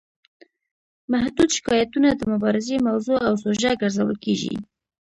محدود شکایتونه د مبارزې موضوع او سوژه ګرځول کیږي.